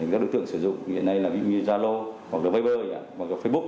các đối tượng sử dụng hiện nay là vimeo zalo hoặc là viber hoặc là facebook